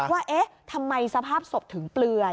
ว่าเอ๊ะทำไมสภาพศพถึงเปลือย